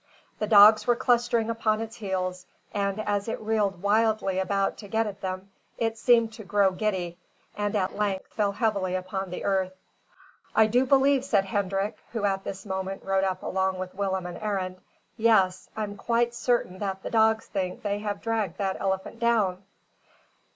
The dogs were clustering upon its heels; and as it reeled wildly about to get at them, it seemed to grow giddy, and at length fell heavily along the earth. "I do believe," said Hendrik, who at this moment rode up along with Willem and Arend, "yes, I'm quite certain that the dogs think they have dragged that elephant down!"